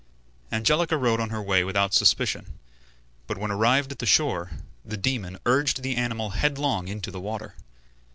Angelica rode on her way without suspicion, but when arrived at the shore, the demon urged the animal headlong into the water.